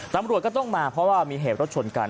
ตำรวจก็ต้องมาเพราะว่ามีเหตุรถชนกัน